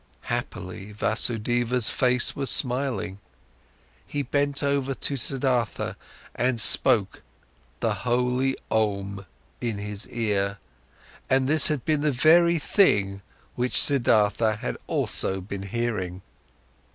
Happily, Vasudeva's face was smiling, he bent over to Siddhartha and spoke the holy Om into his ear. And this had been the very thing which Siddhartha had also been hearing.